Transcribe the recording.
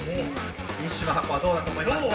ティッシュの箱はどうだと思いますか？